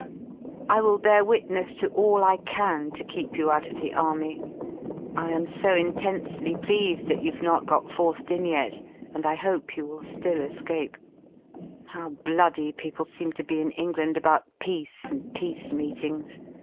I will bear witness ' AJ^"^ /^^^^^^"^^ keep you out of the Army; I am so intensely 1^^ .6 f pleased that you've not got forced in yet, and I hope you I J(^^ Vwill ^ill escape. How bloody people seem to be in England " ^about peace and peace meetings.